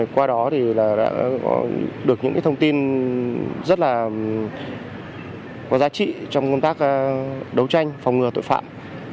qua đó thì đã có được những thông tin rất là có giá trị trong công tác đấu tranh phòng ngừa tội phạm